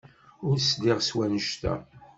Ur sliɣ s wanect-a.